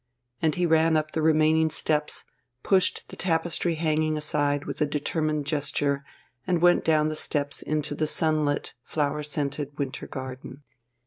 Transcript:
And he ran up the remaining steps, pushed the tapestry hanging aside with a determined gesture, and went down the steps into the sunlit, flower scented winter garden.